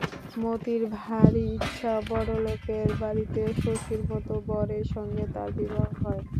মতির ভারি ইচ্ছা, বড়োলোকের বাড়িতে শশীর মতো বরের সঙ্গে তার বিবাহ হয়।